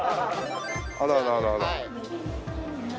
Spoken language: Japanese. あらあらあらあら。